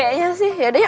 kayaknya sih yaudah yuk